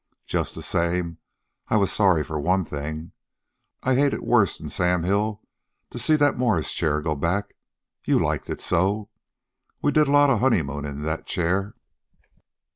Just the same I was sorry for one thing. I hated worse 'n Sam Hill to see that Morris chair go back you liked it so. We did a lot of honeymoonin' in that chair."